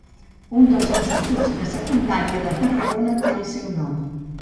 Un dels instituts de secundària de Tarragona té el seu nom.